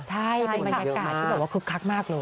ใช่มันอากาศที่เหลือว่าคึกคักมากเลย